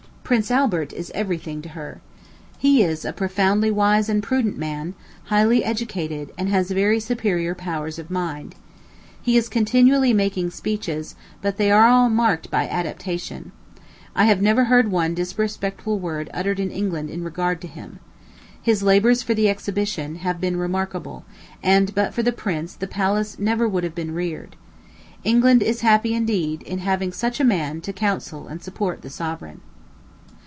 Prince Albert is everything to her. He is a profoundly wise and prudent man, highly educated, and has very superior powers of mind. He is continually making speeches, but they are all marked by adaptation. I have never heard one disrespectful word uttered in England in regard to him. His labors for the exhibition, have been remarkable, and but for the prince the palace never would have been reared. England is happy indeed in having such a man to counsel and support the sovereign.